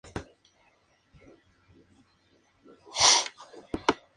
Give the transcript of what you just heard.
El grosor favorito es el mediano o el grueso.